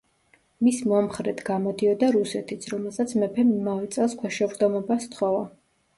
მის მომხრედ გამოდიოდა რუსეთიც, რომელსაც მეფემ იმავე წელს ქვეშევრდომობა სთხოვა.